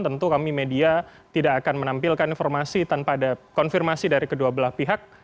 tentu kami media tidak akan menampilkan informasi tanpa ada konfirmasi dari kedua belah pihak